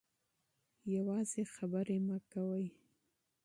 یوازې خبرې مه کوئ.